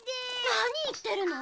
何言ってるの？